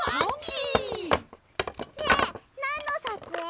ねえなんのさつえい？